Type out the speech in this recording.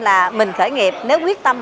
là mình khởi nghiệp nếu quyết tâm